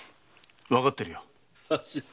わかってるよ。